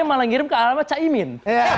malah ngirim ke alamat caimin